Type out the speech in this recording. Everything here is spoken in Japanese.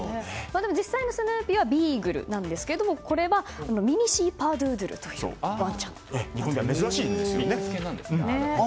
でも実際のスヌーピーはビーグルなんですがこれはミニシーパドゥードルというワンちゃん。